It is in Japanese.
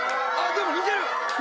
でも似てる！